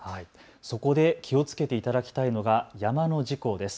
そこで気をつけていただきたいのが山の事故です。